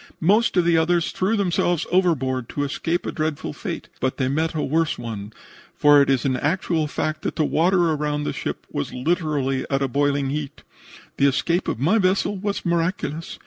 Most of the others threw themselves overboard to escape a dreadful fate, but they met a worse one, for it is an actual fact that the water around the ship was literally at a boiling heat. The escape of my vessel was miraculous.